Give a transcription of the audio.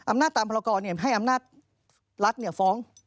อำนาจตามภรรกอเนี่ยให้อำนาจรัฐเนี่ยฟ้อง